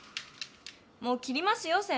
もう切りますよ